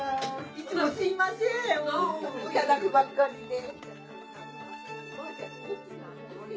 いつもすいません頂くばっかりで。